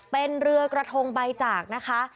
เป็นเรือกระทงใบจากนะคะ